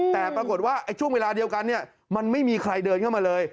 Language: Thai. แต่ปรากฏว่าช่วงเวลาเดียวกันมันไม่มีใครเดินเข้ามาเลย